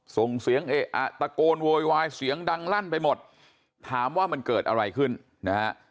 ส่งเสียงเอะอะตะโกนโวยวายเสียงดังลั่นไปหมดถามว่ามันเกิดอะไรขึ้นนะฮะ